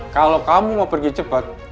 kalau kamu mau pergi cepat